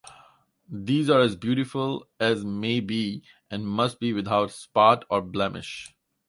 These are as beautiful as may be, and must be without spot or blemish.